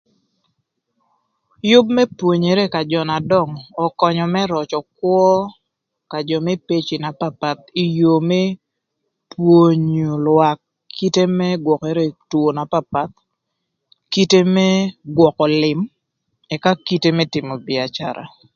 Yüb më pwonyere ka jö na döngö ökönyö më röcö kwö ka jö më peci na papath ï yoo më pwonyo lwak kite më gwökërë kï ï two na papath, ï kite më gwökö lïm, ëka kite më tïmö bïacara.